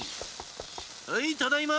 はいただいま！